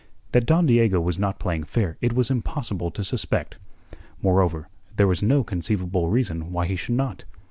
That Don Diego was not playing fair it was impossible to suspect. Moreover, there was no conceivable reason why he should not.